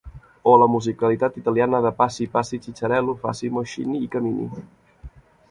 O la musicalitat italiana de: Passi, passi, xitxarel·lo, faci moixoni i camini.